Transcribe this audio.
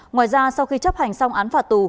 ngoài ra sau khi chấp hành xong án phạt tù